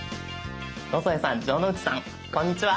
野添さん城之内さんこんにちは！